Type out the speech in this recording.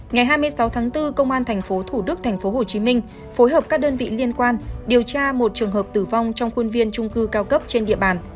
ngày hai mươi sáu tháng bốn công an tp thủ đức tp hcm phối hợp các đơn vị liên quan điều tra một trường hợp tử vong trong khuôn viên trung cư cao cấp trên địa bàn